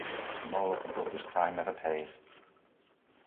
The moral of the book is "Crime never pays".